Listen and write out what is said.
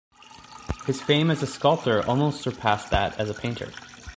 His fame as a sculptor almost surpassed that as a painter.